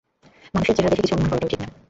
মানুষের চেহারা দেখে কিছু অনুমান করাটাও ঠিক না।